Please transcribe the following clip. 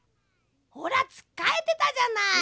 ほらつっかえてたじゃない！